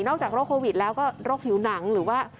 อกจากโรคโควิดแล้วก็โรคผิวหนังหรือว่า